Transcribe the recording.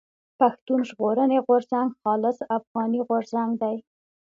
پښتون ژغورني غورځنګ خالص افغاني غورځنګ دی.